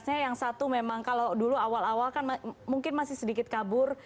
misalnya yang satu memang kalau dulu awal awal kan mungkin masih sedikit kabur